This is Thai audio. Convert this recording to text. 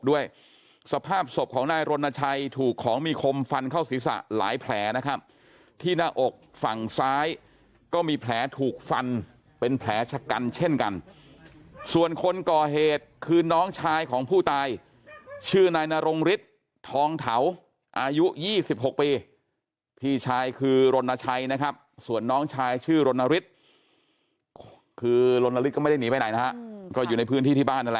ด้วยสภาพศพของนายรณชัยถูกของมีคมฟันเข้าศีรษะหลายแผลนะครับที่หน้าอกฝั่งซ้ายก็มีแผลถูกฟันเป็นแผลชะกันเช่นกันส่วนคนก่อเหตุคือน้องชายของผู้ตายชื่อนายนรงฤทธิ์ทองเถาอายุ๒๖ปีพี่ชายคือรณชัยนะครับส่วนน้องชายชื่อรณฤทธิ์คือรณฤทธิก็ไม่ได้หนีไปไหนนะฮะก็อยู่ในพื้นที่ที่บ้าน